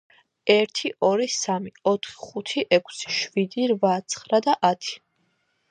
ერთი, ორი, სამი, ოთხი, ხუთი, ექვსი, შვიდი, რვა, ცხრა და ათი.